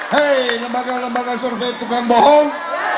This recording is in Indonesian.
hei lembaga lembaga survei tukang bohong